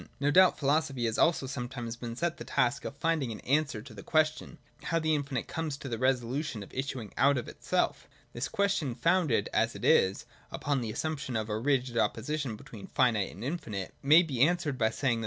No doubt philosophy has also sometimes been set the task of finding an answer to the question, how the infinite comes to the resolution of issuing out of itself. This question, founded, as it is, upon the assumption of a rigid opposition between finite and infinite, may be answered by saying that 176 THE DOCTRINE OF BEING.